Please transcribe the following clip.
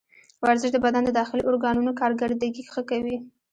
ورزش د بدن د داخلي ارګانونو کارکردګي ښه کوي.